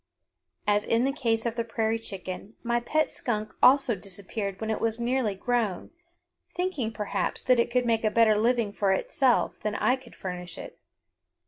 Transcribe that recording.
As in the case of the prairie chicken, my pet skunk also disappeared when it was nearly grown, thinking, perhaps, that it could make a better living for itself than I could furnish it.